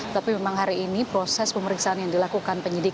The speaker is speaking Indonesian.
tapi memang hari ini proses pemeriksaan yang dilakukan penyidik